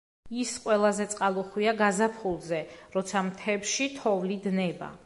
ის ყველაზე წყალუხვია გაზაფხულზე, როცა მთებში თოვლი დნება.